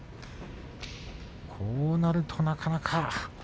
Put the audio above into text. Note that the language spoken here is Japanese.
こうなるとなかなか。